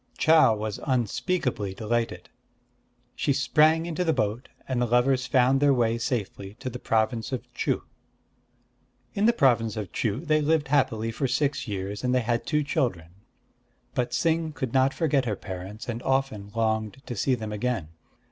Chau was unspeakably delighted. She sprang into the boat; and the lovers found their way safely to the province of Chuh. In the province of Chuh they lived happily for six years; and they had two children. But Ts'ing could not forget her parents, and often longed to see them again.